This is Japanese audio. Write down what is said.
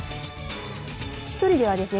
１人ではですね